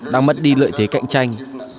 đang mất đi lợi thế cạnh tranh